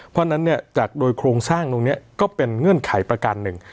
เพราะฉะนั้นจากโดยโครงสร้างตรงนี้ก็เป็นเงื่อนไขประการหนึ่ง